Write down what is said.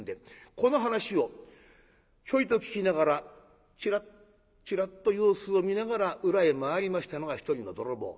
この話をひょいと聞きながらチラッチラッと様子を見ながら裏へ回りましたのが一人の泥棒。